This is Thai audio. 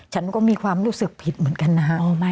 ฉันก็มีความรู้สึกผิดเหมือนกันนะฮะ